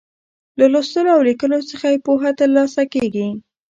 له لوستلو او ليکلو څخه يې پوهه تر لاسه کیږي.